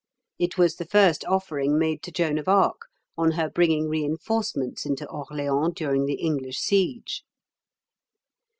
It was the first offering made to Joan of Arc on her bringing reinforcements into Orleans during the English siege.